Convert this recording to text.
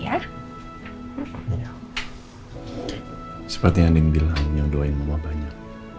iya seperti aning bilang yang doain mama banyak